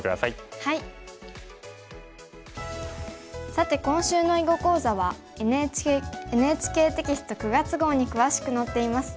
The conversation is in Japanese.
さて今週の囲碁講座はＮＨＫテキスト９月号に詳しく載っています。